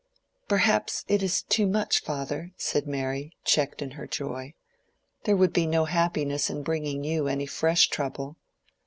"Perhaps it is too much, father," said Mary, checked in her joy. "There would be no happiness in bringing you any fresh trouble."